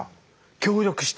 協力して。